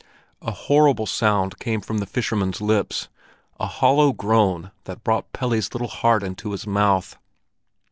A horrible sound came from the fisherman's lips, a hollow groan that brought Pelle's little heart into his mouth.